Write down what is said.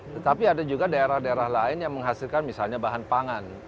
tetapi ada juga daerah daerah lain yang menghasilkan misalnya bahan pangan